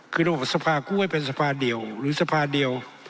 คือระบบสภาคู่ให้เป็นสภาเดียวหรือสภาเดียว